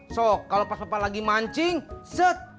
so kalau pas papa lagi mancing set